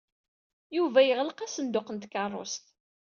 Yuba yeɣleq asenduq n tkeṛṛust.